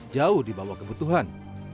jauh dibawah kebutuhan